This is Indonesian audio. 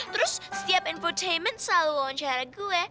terus setiap enfortainment selalu wawancara gue